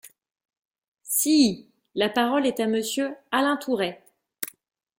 Si ! La parole est à Monsieur Alain Tourret.